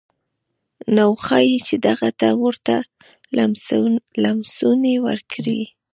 نو ښايي چې دغه ته ورته لمسونې وکړي.